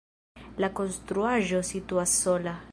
La konstruaĵo situas sola.